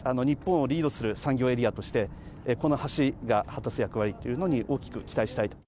日本をリードする産業エリアとして、この橋が果たす役割というのに大きく期待したい。